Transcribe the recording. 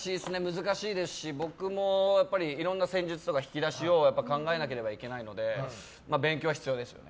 難しいですし、僕もいろんな戦術とか引き出しを考えないといけないので勉強は必要ですよね。